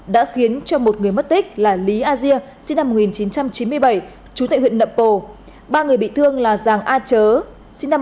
đã khiến cho một người mất tích là lý a diê sinh năm một nghìn chín trăm chín mươi bảy trú tại huyện nậm pồ ba người bị thương là giàng a chớ sinh năm một nghìn chín trăm chín mươi bảy